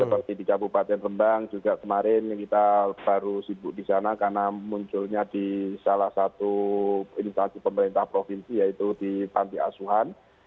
seperti di kabupaten rembang juga kemarin kita baru sibuk di sana karena munculnya di salah satu instansi pemerintah provinsi yaitu di panti asuhan